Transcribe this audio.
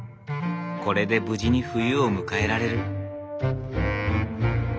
これで無事に冬を迎えられる。